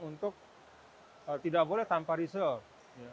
untuk tidak boleh tanpa research